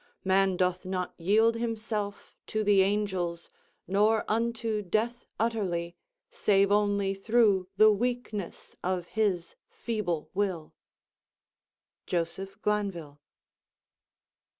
Man doth not yield himself to the angels, nor unto death utterly, save only through the weakness of his feeble will.—Joseph Glanvill.